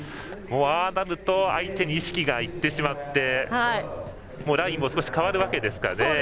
ああなると相手に意識がいってしまってラインも少し変わるわけですかね。